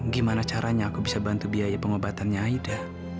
gimana caranya aku bisa bantu biaya pengobatannya ayuda